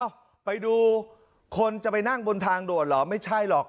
ไปดูคนจะไปนั่งบนทางด่วนเหรอไม่ใช่หรอก